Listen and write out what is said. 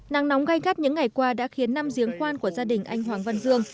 nắng nóng gai gắt những ngày qua đã khiến năm giếng khoan của gia đình anh hoàng văn dương